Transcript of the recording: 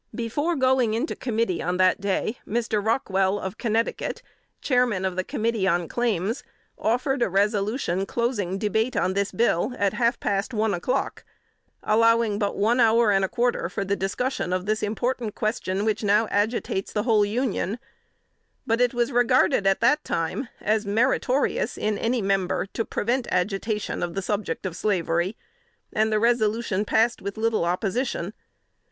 Before going into committee on that day, Mr. Rockwell, of Connecticut, Chairman of the committee on Claims, offered a resolution closing debate on this bill at half past one o'clock, allowing but one hour and a quarter for the discussion of this important question, which now agitates the whole Union; but it was regarded at that time as meritorious in any member to prevent agitation of the subject of slavery, and the resolution passed with little opposition.